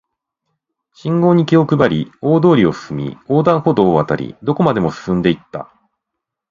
信号に気を配り、大通りを進み、横断歩道を渡り、どこまでも進んで行った